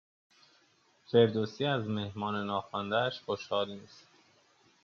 فردوسی از مهمان ناخوانده اش خوشحال نیست